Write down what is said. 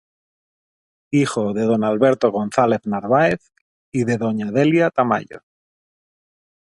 Hijo de Don Alberto González Narváez y de Doña Delia Tamayo.